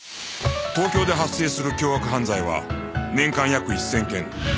東京で発生する凶悪犯罪は年間約１０００件